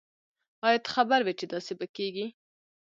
آیا ته خبر وی چې داسي به کیږی